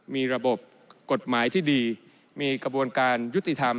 มีระบบกฎหมายที่ดีมีกระบวนการยุติธรรม